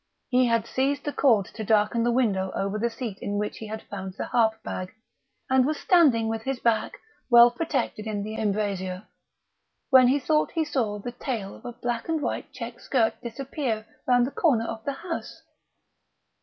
He had seized the cord to darken the window over the seat in which he had found the harp bag, and was standing with his back well protected in the embrasure, when he thought he saw the tail of a black and white check skirt disappear round the corner of the house.